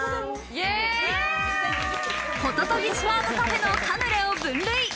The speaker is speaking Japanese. ホトトギスファームカフェのカヌレを分類。